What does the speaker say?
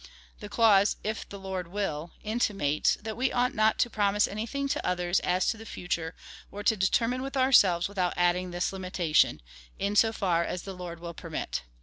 The clause, if the Lord will, intimates, that we ought not to promise anything to others as to the future, or to deter mine with ourselves, without adding this limitation : in so far as the Lord will permit.